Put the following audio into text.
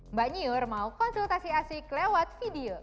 mbak nyur mau konsultasi asik lewat video